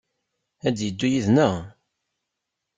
Ad d-yeddu yid-neɣ?